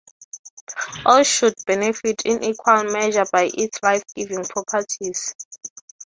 All should benefit in equal measure by its life-giving properties.